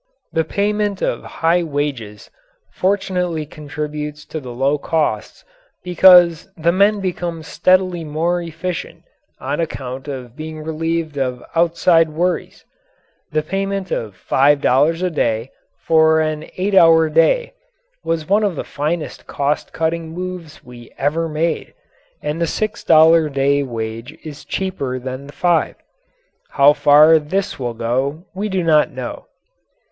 The payment of high wages fortunately contributes to the low costs because the men become steadily more efficient on account of being relieved of outside worries. The payment of five dollars a day for an eight hour day was one of the finest cost cutting moves we ever made, and the six dollar day wage is cheaper than the five. How far this will go, we do not know.